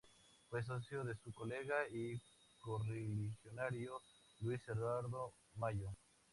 Fue socio de su colega y correligionario Luis Eduardo Mallo.